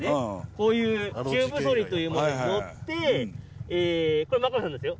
こういうチューブソリというものに乗ってこれ真壁さんですよ？